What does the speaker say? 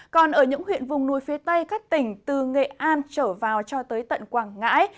còn ở những huyện vùng núi phía tây các tỉnh từ nghệ an trở vào cho tới tận quảng ngãi